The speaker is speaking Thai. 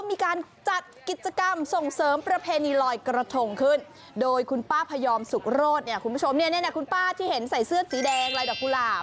พยอมสุขโรธเนี่ยคุณผู้ชมเนี่ยนะคุณป้าที่เห็นใส่เสื้อสีแดงอะไรดอกกุหลาบ